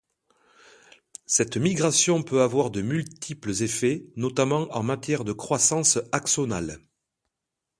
Cette migration peut avoir de multiples effets, notamment en matière de croissance axonale.